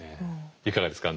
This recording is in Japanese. いかがですか？